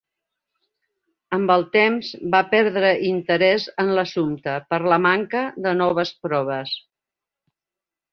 Amb el temps, va perdre interès en l'assumpte per la manca de noves proves.